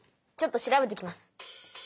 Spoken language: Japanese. ちょっと調べてきます。